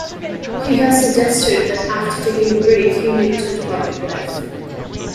He has suggested that after taking a break, he may return to public life.